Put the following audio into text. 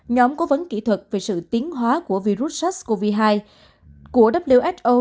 nhóm cố vấn kỹ thuật về sự tiến hóa của virus sars cov hai của who